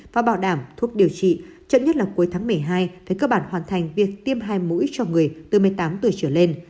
và bảo đảm thuốc điều trị chậm nhất là cuối tháng một mươi hai phải cơ bản hoàn thành việc tiêm hai mũi cho người từ một mươi tám tuổi trở lên